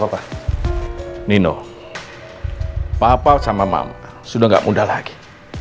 masih ingin mendengar suaramu